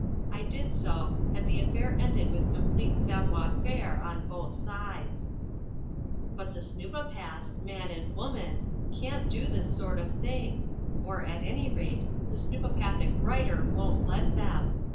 I did so, and the affair ended with complete savoir faire on both sides. But the Snoopopaths, Man and Woman, can't do this sort of thing, or, at any rate, the snoopopathic writer won't let them.